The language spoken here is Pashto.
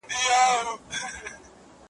هدیره دي د غلیم سه ماته مه ګوره قبرونه ,